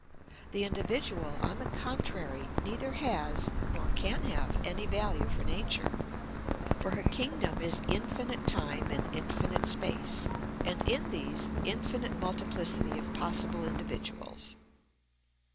The individual, on the contrary, neither has nor can have any value for Nature, for her kingdom is infinite time and infinite space, and in these infinite multiplicity of possible individuals.